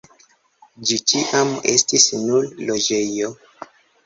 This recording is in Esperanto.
Ĝi ĉiam estis nur loĝejo.